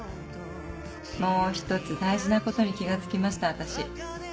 もう一つ大事なことに気が付きました私。